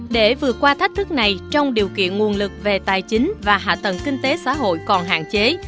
để vượt qua thách thức này trong điều kiện nguồn lực về tài chính và hạ tầng kinh tế xã hội còn hạn chế